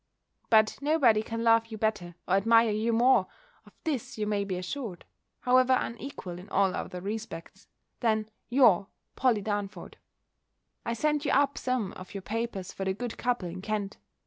But nobody can love you better, or admire you more, of this you may be assured (however unequal in all other respects), than your POLLY DARNFORD. I send you up some of your papers for the good couple in Kent.